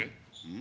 ん？